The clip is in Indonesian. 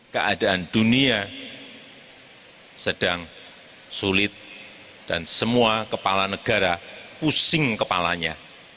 keadaan dunia sedang sulit dan semua kepala negara pusing kepalanya